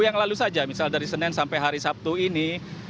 yang lalu saja misal dari senin sampai hari sabtu ini